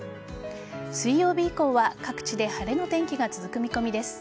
水曜日以降は、各地で晴れの天気が続く見込みです。